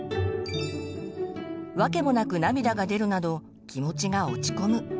わけもなく涙が出るなど気持ちが落ち込む。